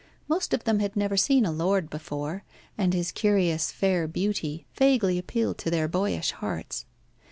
Most of them had never seen a lord before, and his curious fair beauty vaguely appealed to their boyish hearts.